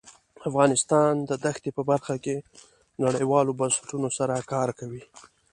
افغانستان د دښتې په برخه کې نړیوالو بنسټونو سره کار کوي.